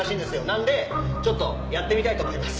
なんでちょっとやってみたいと思います。